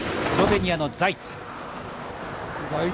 スロベニアのザイツ。